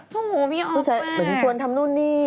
โถพี่อ๊อฟแบบนี้ชวนทำนู่นนี่